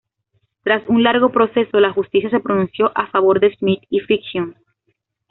Tras un largo proceso, la justicia se pronunció a favor de Smith y Fiction.